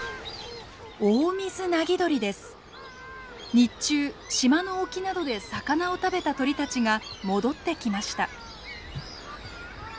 日中島の沖などで魚を食べた鳥たちが戻ってきました。